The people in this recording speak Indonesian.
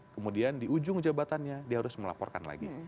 kemudian di ujung jabatannya dia harus melaporkan lagi